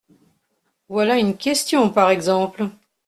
Voilà une question, par exemple !…